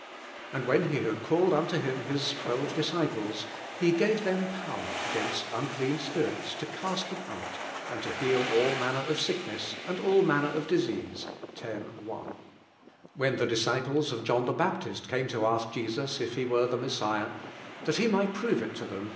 "Anil when He hail called nnto Mini His twelve disciples, He gave (hem power against unclean spirits to cust them out, and to heal all manner of sick ness, and all manner of disease (i. 1). When the disciples of John the Baptist came to ask Jesus if ne were the Mes siah, Hint lie might prove it to them.